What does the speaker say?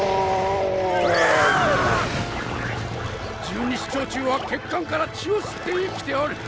十二指腸虫は血管から血を吸って生きておる。